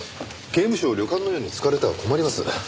刑務所を旅館のように使われては困ります。